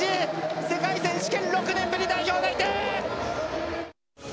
世界選手権６年ぶり代表内定！